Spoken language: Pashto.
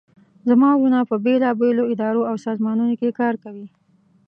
زما وروڼه په بیلابیلو اداراو او سازمانونو کې کار کوي